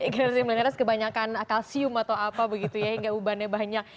generasi milenial kebanyakan kalsium atau apa begitu ya yang gak ubahannya banyak